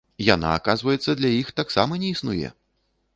Яна, аказваецца, для іх таксама не існуе!